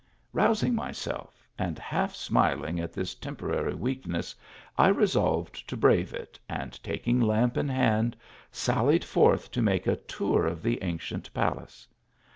Rousing myself, and half smiling at this tempora ry weakness, I resolved to brave it, and, taking lamp in hand, sallied forth to make a tour of the ancient palace.